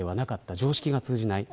常識が通じない。